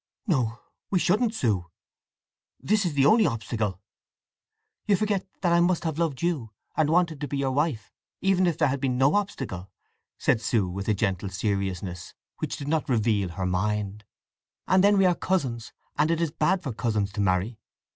"No, we shouldn't, Sue! This is the only obstacle." "You forget that I must have loved you, and wanted to be your wife, even if there had been no obstacle," said Sue, with a gentle seriousness which did not reveal her mind. "And then we are cousins, and it is bad for cousins to marry.